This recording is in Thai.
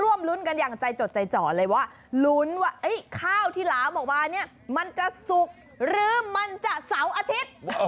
รุ้นกันอย่างใจจดใจจ่อเลยว่าลุ้นว่าข้าวที่หลามออกมาเนี่ยมันจะสุกหรือมันจะเสาร์อาทิตย์